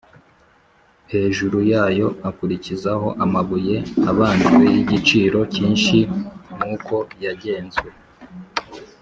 Hejuru yayo akurikizaho amabuye abajwe y’igiciro cyinshi nk’uko yagezwe